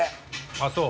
あっそう。